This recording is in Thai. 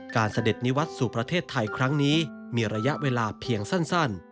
เสด็จนิวัตรสู่ประเทศไทยครั้งนี้มีระยะเวลาเพียงสั้น